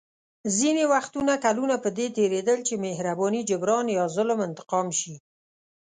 ځینې وختونه کلونه په دې تېرېدل چې مهرباني جبران یا ظلم انتقام شي.